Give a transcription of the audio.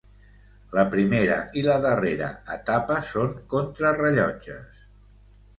La primera i la darrera etapa són contrarellotges.